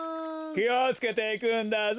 きをつけていくんだぞ。